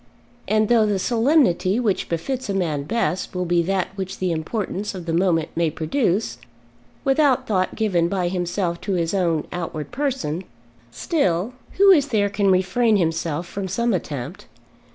And though the solemnity which befits a man best will be that which the importance of the moment may produce, without thought given by himself to his own outward person, still, who is there can refrain himself from some attempt?